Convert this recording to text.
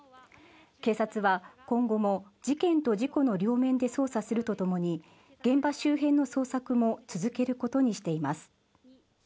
警察は今後も事件と事故の両面で捜査するとともに現場周辺の捜索も続けることにしています。